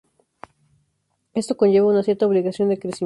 Esto conlleva una cierta obligación de crecimiento.